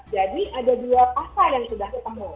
jadi ada dua pasal yang sudah ketemu